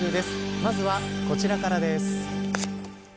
まずはこちらからです。